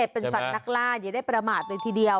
เป็นสัตว์นักล่าอย่าได้ประมาทเลยทีเดียว